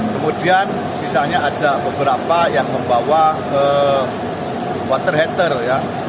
kemudian sisanya ada beberapa yang membawa water hater ya